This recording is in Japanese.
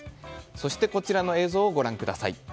そしてこちらの映像をご覧ください。